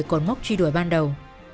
còn móc truy đuổi ban đầu